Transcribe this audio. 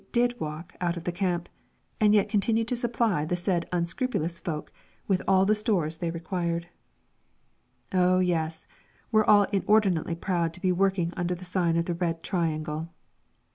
did walk out of the camp, and yet continued to supply the said unscrupulous folk with all the stores they required. Oh, yes, we're all inordinately proud to be working under the sign of the Red Triangle!